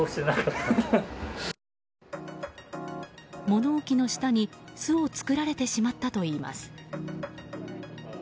物置の下に巣を作られてしまったといいます。